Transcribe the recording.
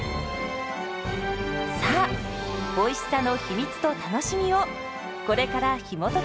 さあおいしさの秘密と楽しみをこれからひもときましょう。